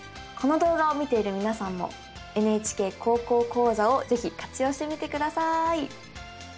この動画を見ている皆さんも「ＮＨＫ高校講座」を是非活用してみてください。